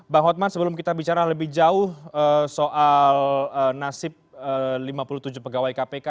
bang hotman sebelum kita bicara lebih jauh soal nasib lima puluh tujuh pegawai kpk